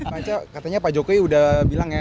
pak jokowi katanya pak jokowi udah bilang ya